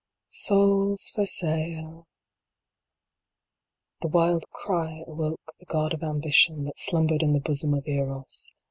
Souls for sale ! The wild cry awoke the god of ambition, that slumbered in the bosom of Eros ; SALE OF SOULS.